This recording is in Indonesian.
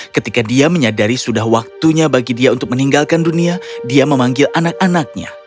ketika dia menyadari sudah waktunya bagi dia untuk meninggalkan dunia dia memanggil anak anaknya